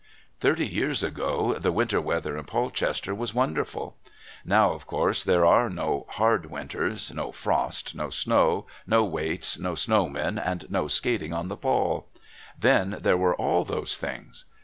Thirty years ago the winter weather in Polchester was wonderful. Now, of course, there are no hard winters, no frost, no snow, no waits, no snowmen, and no skating on the Pol. Then there were all those things.